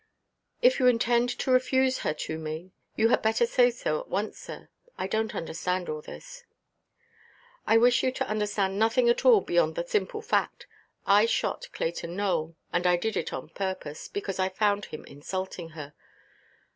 "If you intend to refuse her to me, you had better say so at once, sir. I donʼt understand all this." "I wish you to understand nothing at all beyond the simple fact. I shot Clayton Nowell, and did it on purpose, because I found him insulting her."